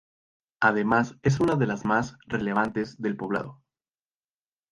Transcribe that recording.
Además es una de las más relevantes del Poblado.